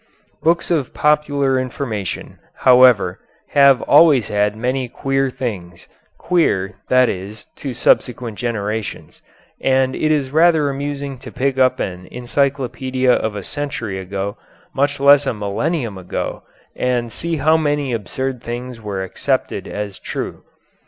Books of popular information, however, have always had many queer things, queer, that is, to subsequent generations, and it is rather amusing to pick up an encyclopedia of a century ago, much less a millennium ago, and see how many absurd things were accepted as true.